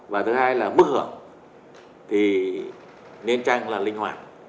và thứ hai là mức hưởng thì nên trang là linh hoạt